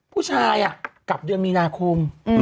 ผู้ชายกลับเดือนมีนาคม